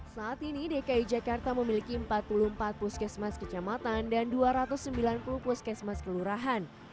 saat ini dki jakarta memiliki empat puluh empat puskesmas kecamatan dan dua ratus sembilan puluh puskesmas kelurahan